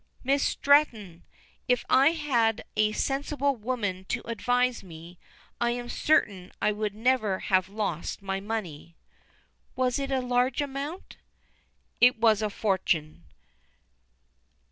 "Miss Stretton, if I had had a sensible woman to advise me, I am certain I would never have lost my money." "Was it a large amount?" "It was a fortune."